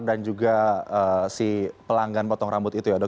dan juga si pelanggan potong rambut itu ya dok